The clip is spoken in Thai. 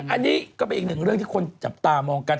อันนี้ก็เป็นอีกหนึ่งเรื่องที่คนจับตามองกัน